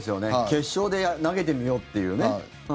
決勝で投げてみようっていうね。